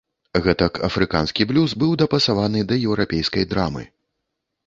Гэтак афрыканскі блюз быў дапасаваны да еўрапейскай драмы.